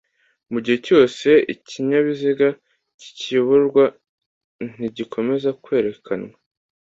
mu gihe cyose ikinyabiziga kikiyoborwa ntigikomeza kwerekanwa